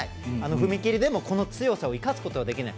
踏み切りでもこの強さを生かすことができない。